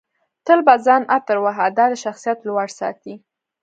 تل په ځان عطر وهه دادی شخصیت لوړ ساتي